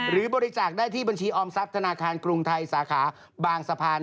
หรือบริจาคได้ที่บัญชีออมทรัพย์ธนาคารกรุงไทยสาขาบางสะพาน